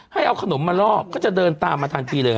ให้เอาขนมมาลอกก็จะเดินตามมาทันทีเลย